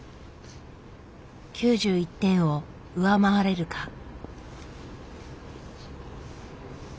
９１点を上回れるか？